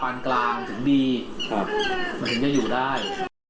กลางถึงดีครับมันถึงจะอยู่ได้